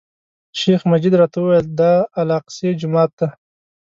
شیخ مجید راته وویل، دا الاقصی جومات دی.